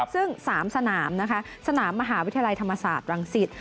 ซึ่ง๓สนามนะคะสนามมหาวิทยาลัยธรรมสาธาตุรังสิริสตร์